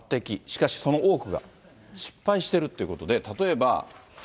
しかしその多くが失敗してるってことで、例えば。